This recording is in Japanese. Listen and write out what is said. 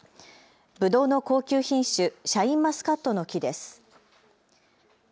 ぶどうの高級品種、シャインマスカットの木です。